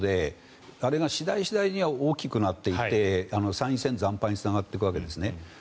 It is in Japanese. あれが次第次第に大きくなっていって参院選惨敗につながっていくんですね。